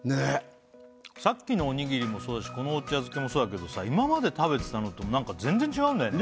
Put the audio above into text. さっきのおにぎりもそうだしこのお茶漬けもそうだけどさ今まで食べてたのとなんか全然違うんだよね